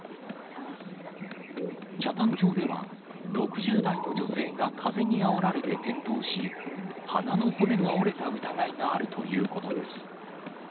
北谷町では、６０代の女性が風にあおられて転倒し、鼻の骨が折れた疑いがあるということです。